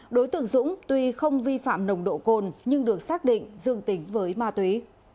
đối tượng dũng tuy không vi phạm nồng độ cồn nhưng được xác định dương tính với ma túy